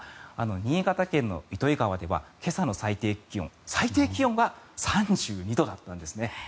新潟県の糸魚川では今朝の最低気温が３２度だったんです。